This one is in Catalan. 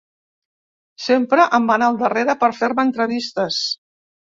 Sempre em van al darrere per fer-me entrevistes.